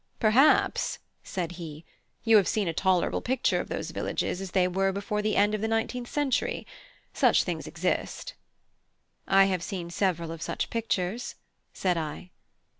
"Perhaps," said he, "you have seen a tolerable picture of these villages as they were before the end of the nineteenth century. Such things exist." "I have seen several of such pictures," said I.